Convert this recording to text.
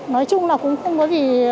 nói chung là cũng không có gì